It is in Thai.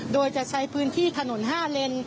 โดยจะใช้พื้นที่ถนน๕เลน